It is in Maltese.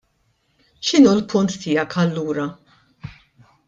X'inhu l-punt tiegħek allura?